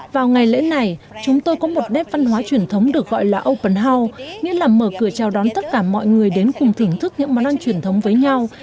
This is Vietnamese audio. vào ngày lễ này chúng tôi có một nét văn hóa truyền thống được gọi là open house nghĩa là mở cửa chào đón tất cả mọi người đến cùng thưởng thức những món ăn truyền thống với nhau